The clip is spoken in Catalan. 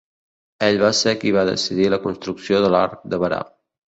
Ell va ser qui va decidir la construcció de l'Arc de Berà.